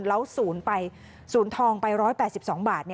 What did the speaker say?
แล้วสูญทองไป๑๘๒บาท